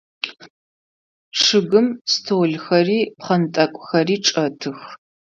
Чъыгым столхэри пхъэнтӏэкӏухэри чӏэтых.